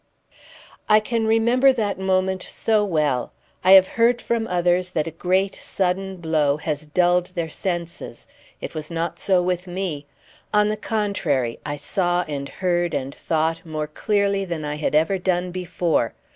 I can remember that moment so well. I have heard from others that a great, sudden blow has dulled their senses. It was not so with me. On the contrary, I saw and heard and thought more clearly than I had ever done before.